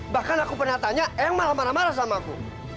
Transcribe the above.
bahkan aku pernah tanya yang marah marah sama aku